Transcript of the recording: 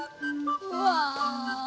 うわ！